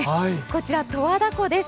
こちら、十和田湖です。